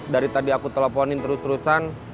dari tadi aku teleponin terus terusan